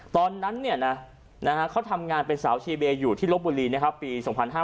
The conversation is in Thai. ตอนนั้นเขาทำงานเป็นสาวชีเบย์อยู่ที่ลบบุรีปี๒๕๕๙